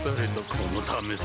このためさ